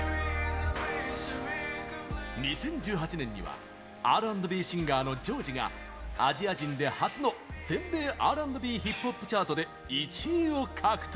２０１８年にはＲ＆ＢシンガーのＪｏｊｉがアジア人で初の全米Ｒ＆Ｂヒップホップチャートで１位を獲得！